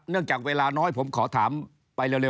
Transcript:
เนื่องจากเวลาน้อยขอถามไปเร็วหน่อยนะ